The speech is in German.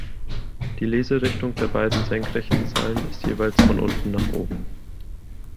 Die Leserichtung der beiden senkrechten Zeilen ist jeweils von unten nach oben.